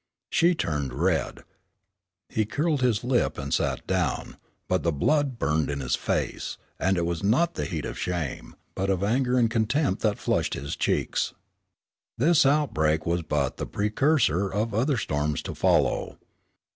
She turned red. He curled his lip and sat down, but the blood burned in his face, and it was not the heat of shame, but of anger and contempt that flushed his cheeks. This outbreak was but the precursor of other storms to follow.